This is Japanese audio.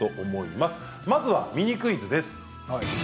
まずはミニクイズです。